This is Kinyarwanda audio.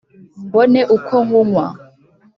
mbone uko nywunywa".